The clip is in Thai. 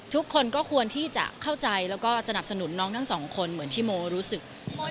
ทุกคนก็ควรที่จะเข้าใจแล้วก็สนับสนุนน้องทั้งสองคนเหมือนที่โมรู้สึก